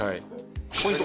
ポイント。